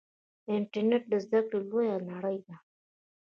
انټرنیټ د زده کړې لویه نړۍ ده.